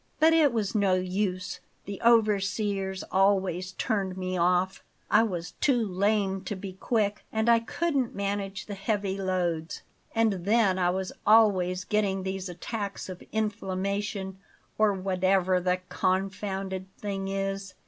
But it was no use; the overseers always turned me off. I was too lame to be quick; and I couldn't manage the heavy loads. And then I was always getting these attacks of inflammation, or whatever the confounded thing is.